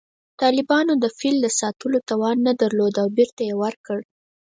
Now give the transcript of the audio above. طالبانو د فیل د ساتلو توان نه درلود او بېرته یې ورکړ